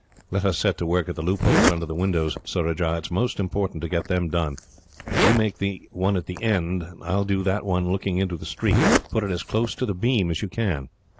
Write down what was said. "Let us set to work at the loopholes under the windows, Surajah. It is most important to get them done. You make the one at the end, I will do that one looking into the street. Put it as close to the beam as you can."